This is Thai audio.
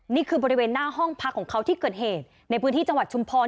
นี่คือบริเวณหน้าห้องพักของเขาที่เกิดเหตุในพื้นที่จังหวัดชุมพร